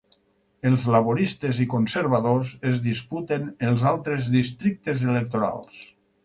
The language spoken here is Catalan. Els laboristes i conservadors es disputen els altres districtes electorals.